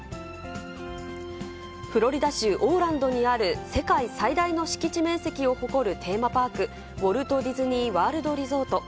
フロリダ州オーランドにある世界最大の敷地面積を誇るテーマパーク、ウォルト・ディズニー・ワールド・リゾート。